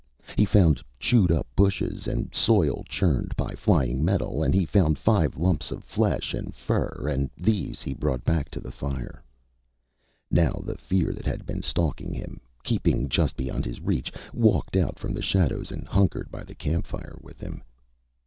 He found chewed up bushes and soil churned by flying metal, and he found five lumps of flesh and fur, and these he brought back to the fire. Now the fear that had been stalking him, keeping just beyond his reach, walked out from the shadows and hunkered by the campfire with him.